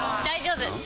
大丈夫！